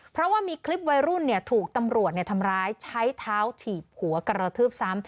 เพราะว่ามีคลิปวัยรุ่นถูกตำรวจทำร้ายใช้เท้าถีบหัวกระทืบซ้ำ